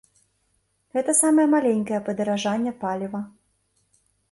Гэта самае маленькае падаражанне паліва.